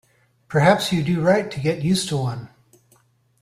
Perhaps you do right to get used to one.